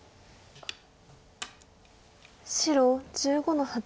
白１５の八。